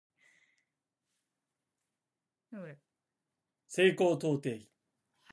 西高東低